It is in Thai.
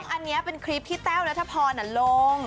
อันนี้เป็นคลิปที่แต้วนัทพรลง